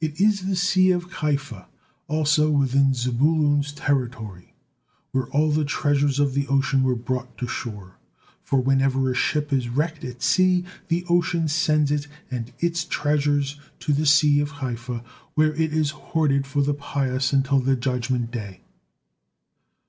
It is the "Sea of Chaifa" also, within Zebulun's territory, where all the treasures of the ocean were brought to shore; for whenever a ship is wrecked at sea, the ocean sends it and its treasures to the sea of Chaifa, where it is hoarded for the pious until the Judgement Day.